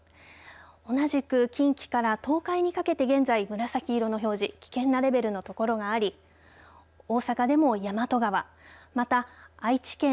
同じく近畿から東海にかけて現在紫色の表示危険なレベルの所があり大阪でも大和川また愛知県、